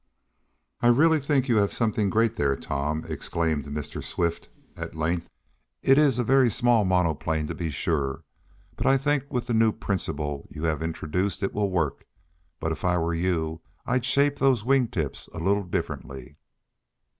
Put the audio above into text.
"I really think you have something great there, Tom!" exclaimed Mr. Swift, at length. "It is a very small monoplane, to be sure, but I think with the new principle you have introduced it will work; but, if I were you, I'd shape those wing tips a little differently."